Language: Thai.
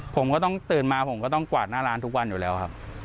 ผมก็ต้องตื่นมาผมก็ต้องกวาดหน้าร้านทุกวันอยู่แล้วครับ